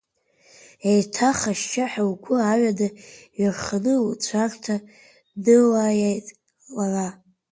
Еиҭах ашьшьыҳәа лгәы аҩада иҩарханы лцәарҭа днылаиеит лара.